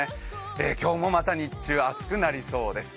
今日もまた日中暑くなりそうです。